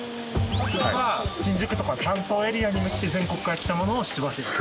つまり新宿とか担当エリアに向けて全国から来たものを仕分ける？